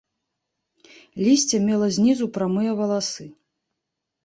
Лісце мела знізу прамыя валасы.